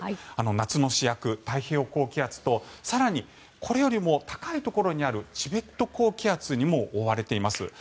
夏の主役、太平洋高気圧と更にこれよりも高いところにあるチベット高気圧にも覆われています。